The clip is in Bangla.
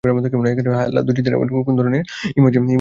হায় আল্লাহ, দর্জিদের আবার কোন ধরনের ইমার্জেন্সি থাকে?